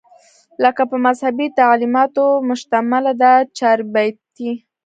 لکه پۀ مذهبي تعليماتو مشتمله دا چاربېته